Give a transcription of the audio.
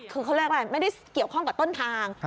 คือเขาเรียกอะไรไม่ได้เกี่ยวข้องกับต้นทาง